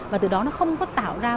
và từ đó nó không có tạo ra